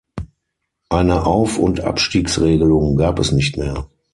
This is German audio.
Eine Auf- und Abstiegsregelung gab es nicht mehr.